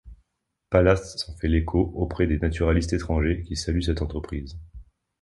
Pallas s'en fait l'écho auprès des naturalistes étrangers qui saluent cette entreprise.